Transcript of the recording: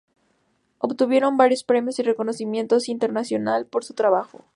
Obtuvieron varios premios y reconocimiento internacional por su trabajo.